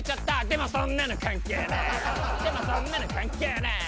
でもそんなの関係ねぇ。